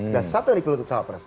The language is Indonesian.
dan satu yang dipilih untuk capres